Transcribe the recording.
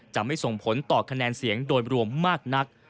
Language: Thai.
จะไม่ส่งผลต่อคะแนนเสียงโดยรวมมากนัก